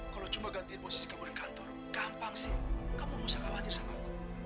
kalau cuma gantiin posisi kamu di kantor gampang sih kamu nggak usah khawatir sama aku